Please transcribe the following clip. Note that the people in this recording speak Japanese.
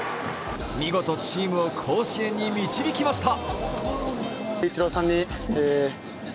見事、チームを甲子園に導きました